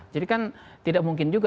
jadi kan tidak mungkin juga